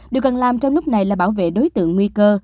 điều cần làm trong lúc này là bảo vệ đối tượng nguy cơ